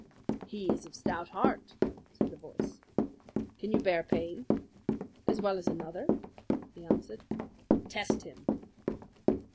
"He is of stout heart," said the voice. "Can you bear pain?" "As well as another," he answered. "Test him!"